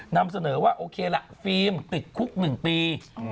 นำเสนอว่าโอเคละฟิล์มติดคุก๑ปี